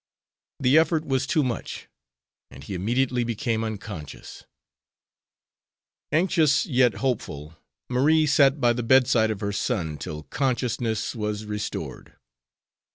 The effort was too much, and he immediately became unconscious. Anxious, yet hopeful, Marie sat by the bedside of her son till consciousness was restored.